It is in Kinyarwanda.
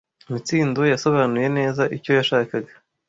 Mitsindo yasobanuye neza icyo yashakaga.